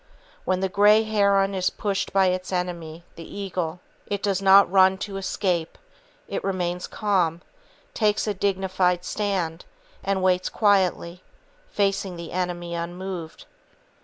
When the grey heron is pursued by its enemy, the eagle, it does not run to escape; it remains calm, takes a dignified stand, and waits quietly, facing the enemy unmoved.